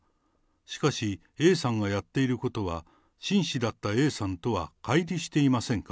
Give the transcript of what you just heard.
しかし、Ａさんがやっていることは、紳士だったＡさんとはかい離していませんか。